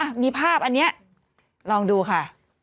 มีภาพอันนี้ลองดูค่ะ